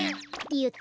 よっと。